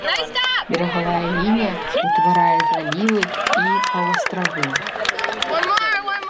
Берагавая лінія утварае залівы і паўастравы.